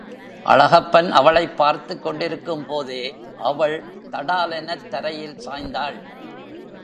அழகப்பன் அவளைப் பார்த்துக் கொண்டிருக்கும் போதே அவள் தடாலெனத் தரையில் சாய்ந்தாள்.